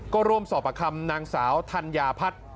ก็ร่วมสอบประคำนางสาวธัญญาพัฒน์